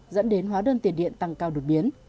dẫn đến hóa đơn tiền điện tăng cao đột biến